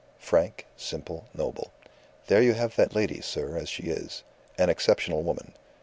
Frank, simple, noble. There you have that lady, sir, as she is. An exceptional woman.